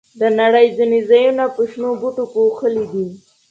د نړۍ ځینې ځایونه په شنو بوټو پوښلي دي.